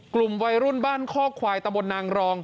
กลุ่มวัยรุ่นบ้านข้อควายตะบนนางรอง